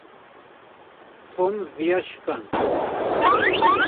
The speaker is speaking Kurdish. Tom vêya şikand.